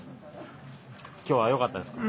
今日はよかったですか？